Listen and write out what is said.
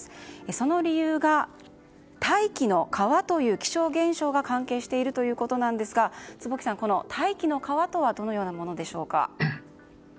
その理由が、大気の川という気象現象が関係しているということですが坪木さん、大気の川とはどのようなものでしょうか。